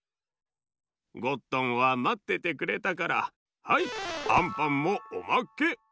ゴットンはまっててくれたからはいアンパンもおまけ。